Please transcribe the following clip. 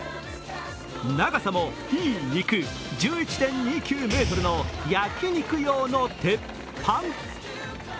長さも「いいにく」、１１．２９ｍの焼き肉用の鉄板。